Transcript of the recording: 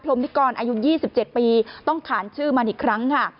มนิกรอายุ๒๗ปีต้องขานชื่อมันอีกครั้งค่ะ